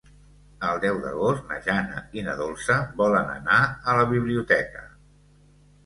El deu d'agost na Jana i na Dolça volen anar a la biblioteca.